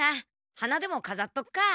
花でもかざっとくか。